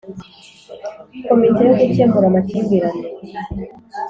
Komite yo gukemura amakimbirane